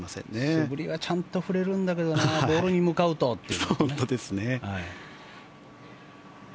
素振りはちゃんとできるんだけどなボールに向かうとという。